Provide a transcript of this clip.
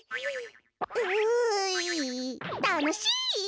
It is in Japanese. たのしイ。